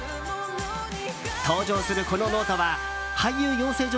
登場する、このノートは俳優養成所